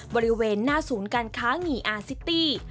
บริเวณหน้าศูนย์การค้างี่อาซิตี้